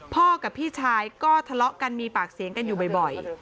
กับพี่ชายก็ทะเลาะกันมีปากเสียงกันอยู่บ่อย